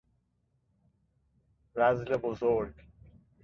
رذل بزرگ